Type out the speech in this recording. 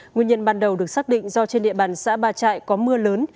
nguyên nhân ban đầu được xác định do trên địa bàn xã ba trại có mưa lớn